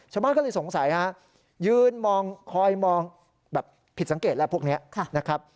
ชาวบ้านก็เลยสงสัยฮะยืนมองคอยมองแบบผิดสังเกตแล้วพวกนี้นะครับ